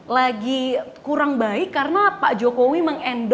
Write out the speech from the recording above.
lagi kurang baik karena pak jokowi memang itu